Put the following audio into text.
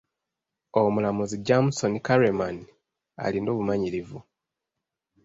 Omulamuzi Jamson Kareman alina obumanyirivu.